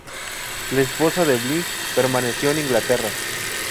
La esposa de Bligh permaneció en Inglaterra.